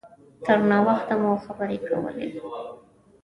تر ناوخته مو خبرې کولې.